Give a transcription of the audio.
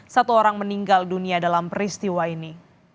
satu orang meninggal dunia dalam peristiwa ini